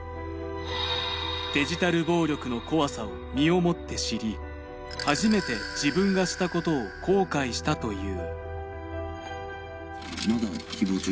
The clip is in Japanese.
デジタル暴力の怖さを身をもって知り、初めて自分がしたことを後悔したという。